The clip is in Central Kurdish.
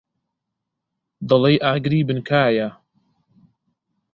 دەڵێی ئاگری بن کایە.